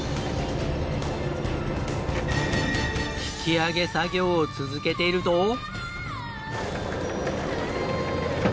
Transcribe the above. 引き揚げ作業を続けていると。